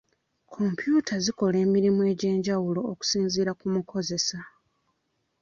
Kompyuta zikola emirimu egy'enjawulo okusinziira ku mukozesa.